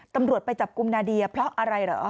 ตำรวจไปจับกลุ่มนาเดียเพราะอะไรเหรอ